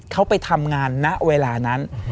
เขาไปทำงานณเวลานั้น